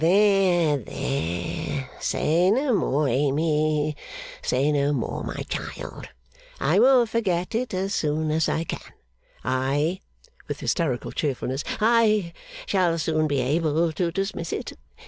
'There, there! Say no more, Amy, say no more, my child. I will forget it as soon as I can. I,' with hysterical cheerfulness, 'I shall soon be able to dismiss it.